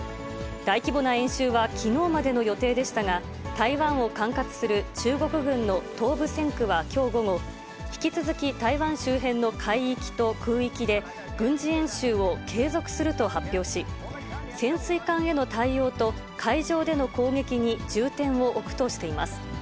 大規模な演習はきのうまでの予定でしたが、台湾を管轄する中国軍の東部戦区はきょう午後、引き続き台湾周辺の海域と空域で軍事演習を継続すると発表し、潜水艦への対応と、海上での攻撃に重点を置くとしています。